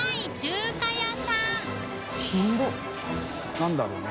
何だろうね？